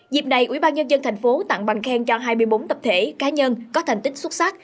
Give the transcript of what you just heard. dịp này ubnd tp tặng bằng khen cho hai mươi bốn tập thể cá nhân có thành tích xuất sắc